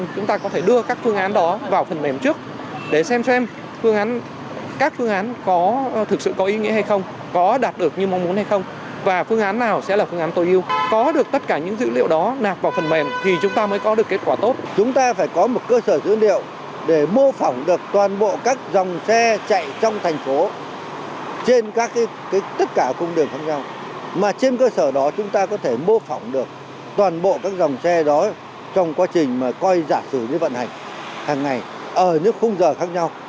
các dòng xe chạy trong thành phố trên tất cả khung đường khác nhau mà trên cơ sở đó chúng ta có thể mô phỏng được toàn bộ các dòng xe đó trong quá trình mà coi giả sử như vận hành hàng ngày ở những khung giờ khác nhau